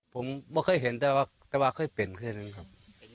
ผมไม่เคยเห็นแต่ว่าเคยเป็นแค่นั้นครับ